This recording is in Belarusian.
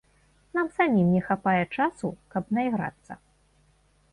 Нам самім не хапае часу, каб найграцца.